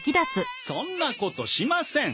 そんなことしません。